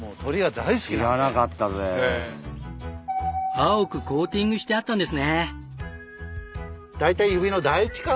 青くコーティングしてあったんですね。